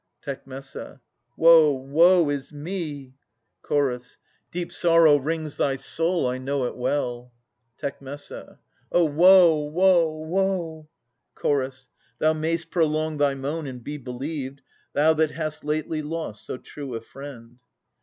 Tec. Woe, woe is me! Ch. Deep sorrow wrings thy soul, I know it well. Tec. O woe, woe, woe ! Ch. Thou may'st prolong thy moan, and be believed. Thou that hast fately lost so true a friend.